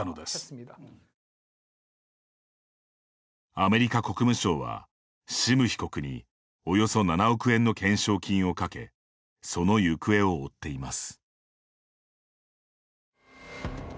アメリカ国務省はシム被告におよそ７億円の懸賞金をかけその行方を追っています。